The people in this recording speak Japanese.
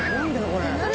⁉これ！